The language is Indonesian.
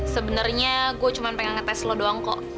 sebenarnya gue cuma pengen ngetes lo doang kok